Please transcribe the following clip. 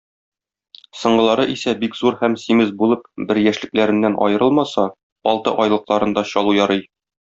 Соңгылары исә бик зур һәм симез булып, бер яшьлекләреннән аерылмаса, алты айлыкларын да чалу ярый.